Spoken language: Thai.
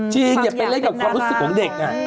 อย่าไปเล่นกับความรู้สึกของเด็ก